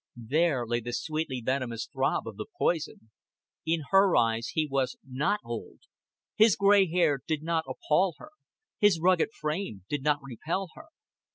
There lay the sweetly venomous throb of the poison. In her eyes he was not old; his gray hair did not appall her, his rugged frame did not repel her.